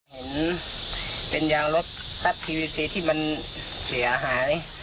เห็นเป็นยางรถตั๊ดทีวีซีที่มันเสียหาย